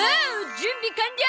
準備完了！